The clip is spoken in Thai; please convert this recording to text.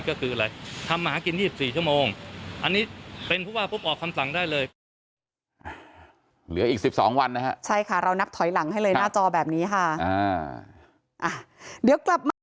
ก็คืออะไรทำมาหากิน๒๔ชั่วโมงอันนี้เป็นผู้ว่าปุ๊บออกคำสั่งได้เลย